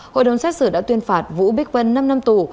hội đồng xét xử đã tuyên phạt vũ bích vân năm năm tù